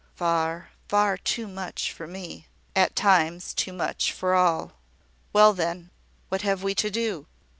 "Far, far too much for me." "At times, too much for all. Well, then, what have we to do?